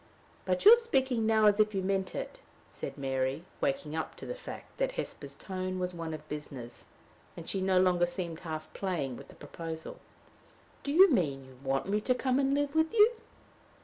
"But you are speaking now as if you meant it," said Mary, waking up to the fact that Hesper's tone was of business, and she no longer seemed half playing with the proposal. "Do you mean you want me to come and live with you?"